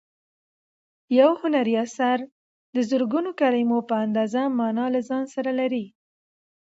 یو هنري اثر د زرګونو کلیمو په اندازه مانا له ځان سره لري.